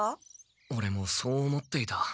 オレもそう思っていた。